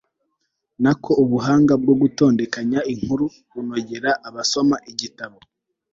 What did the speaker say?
na ko ubuhanga bwo gutondekanya inkuru bunogera abasoma igitabo